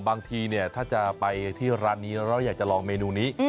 บางทีเนี่ยถ้าจะไปที่ร้านนี้แล้วอยากจะลองเมนูนี้